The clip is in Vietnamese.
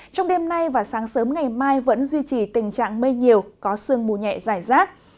trong đêm nay và sáng sớm ngày mai vẫn duy trì tình trạng mây nhiều có sương mù nhẹ dài rác